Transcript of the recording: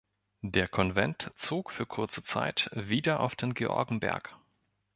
Der Konvent zog für kurze Zeit wieder auf den Georgenberg.